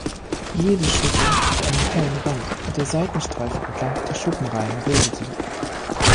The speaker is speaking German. Jede Schuppe hatte einen hellen Rand, der Seitenstreifen entlang der Schuppenreihen bildete.